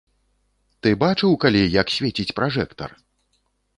Ты бачыў калі, як свеціць пражэктар?